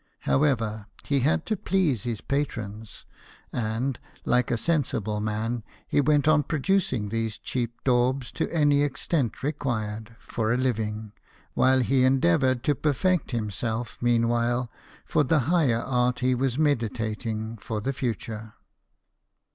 However, he had to please his patrons and, like a sensible man, he went on producing these cheap daubs to any extent required, for a living, while he endeavoured to perfect himself meanwhile for the higher art he was meditating for the future.